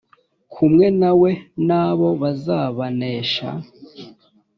kumwe na we na bo bazabanesha